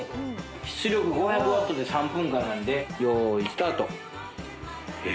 出力５００ワットで３分間なんで用意スタートええ